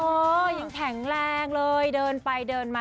ยังแข็งแรงเลยเดินไปเดินมา